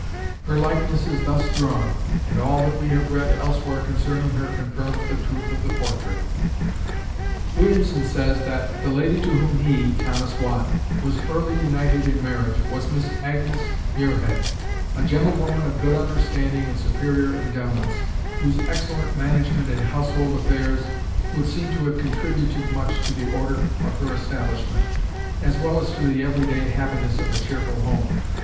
Her likeness is thus drawn, and all that we have read elsewhere concerning her confirms the truth of the portrait. Williamson says that the lady to whom he (Thomas Watt) was early united in marriage was Miss Agnes Muirhead, a gentlewoman of good understanding and superior endowments, whose excellent management in household affairs would seem to have contributed much to the order of her establishment, as well as to the every day happiness of a cheerful home.